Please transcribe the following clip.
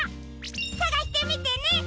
さがしてみてね！